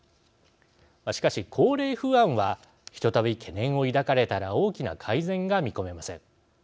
しかし高齢不安はひとたび懸念を抱かれたら大きな改善が見込めません。